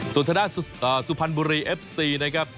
ส่วนชนบุรีเอฟซีนะครับ